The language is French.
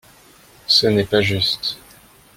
Ce n'est pas juste.